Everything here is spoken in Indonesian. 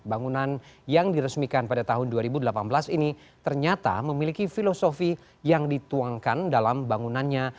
bangunan yang diresmikan pada tahun dua ribu delapan belas ini ternyata memiliki filosofi yang dituangkan dalam bangunannya